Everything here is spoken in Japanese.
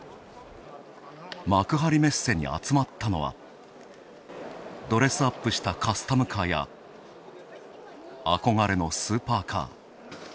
幕張メッセに集まったのはドレスアップしたカスタムカーや憧れのスーパーカー。